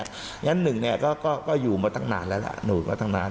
อย่างนึงก็อยู่มาตั้งนานแล้วล่ะหนูดมาตั้งนาน